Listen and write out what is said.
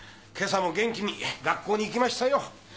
今朝も元気に学校に行きましたよ。